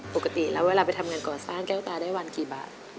ปกติแล้วเวลาไปทำงานก่อสร้างแก้วตาได้วันกี่บาท